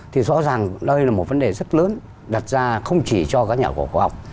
thì rõ ràng đây là một vấn đề rất lớn đặt ra không chỉ cho các nhà khẩu học